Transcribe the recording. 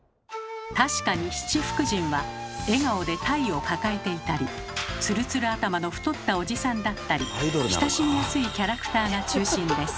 確かに七福神は笑顔でタイを抱えていたりつるつる頭の太ったおじさんだったり親しみやすいキャラクターが中心です。